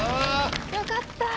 良かった。